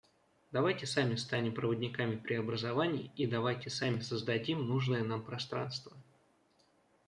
Давайте сами станем проводниками преобразований и давайте сами создадим нужное нам пространство.